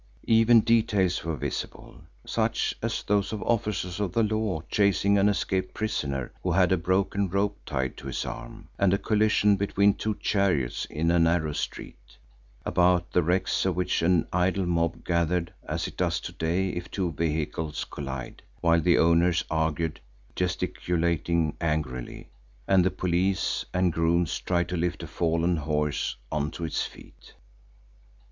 Even details were visible, such as those of officers of the law chasing an escaped prisoner who had a broken rope tied to his arm, and a collision between two chariots in a narrow street, about the wrecks of which an idle mob gathered as it does to day if two vehicles collide, while the owners argued, gesticulating angrily, and the police and grooms tried to lift a fallen horse on to its feet.